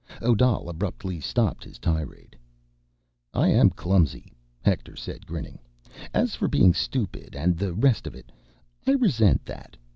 Odal abruptly stopped his tirade. "I am clumsy," Hector said, grinning. "As for being stupid, and the rest of it, I resent that.